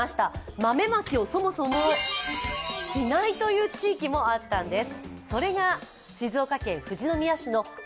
豆まきをそもそもしないという地域もあったんです。